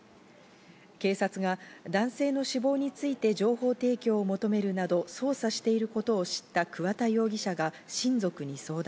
警察が男性の死亡について情報提供を求めるなど捜査していることを知った桑田容疑者が親族に相談。